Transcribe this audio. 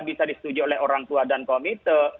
menjadi oleh orang tua dan komite